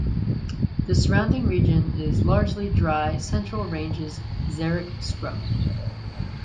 The surrounding region is largely dry Central Ranges xeric scrub.